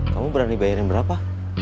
kamu berani bayarin berapa